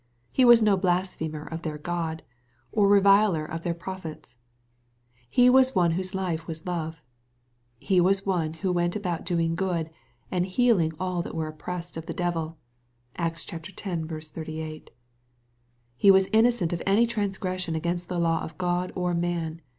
He was no blasphemer of their God, or reviler of their pro phets. He was one whose life was love. He was one who ^ went about doing good, and healing all that were op pressed of the devil." (Acts x. 38.) He was innocent of any transgression against the law of God or man.